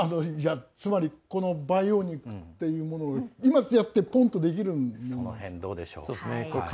つまり、培養肉っていうものが今、やってポンとできるんですか？